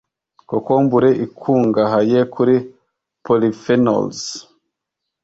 Kokombure ikungahaye kuri polyphenols,